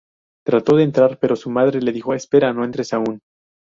Trató de entrar, pero su madre le dijo: "Espera, no entres aún.